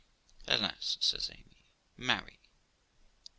'Alas', says Amy, 'marry!